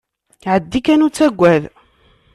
Ɛeddi kan ur ttagad.